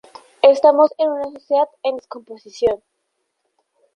Estamos en una sociedad en descomposición